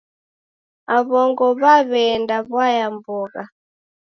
Aw'ongo w'aw'eenda w'aya mbogha.